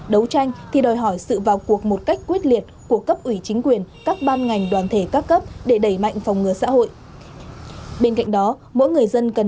đấu tranh thì đòi hỏi sự vào cuộc một cách quyết liệt của cấp ủy chính quyền các ban ngành đoàn thể các cấp để đẩy mạnh phòng ngừa xã hội